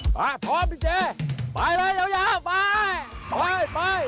พร้อมพี่เจไปเลยหยาวไป